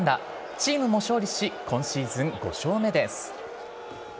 チームも勝利し、今シーズン、５勝目です。